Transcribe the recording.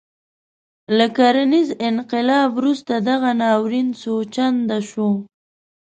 له کرنیز انقلاب وروسته دغه ناورین څو چنده شو.